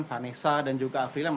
saksi korban vanessa dan juga afriya